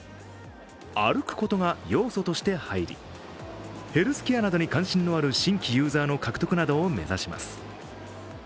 歩くことが要素として入り、ヘルスケアなどに関心のある新規ユーザーの獲得を目指します。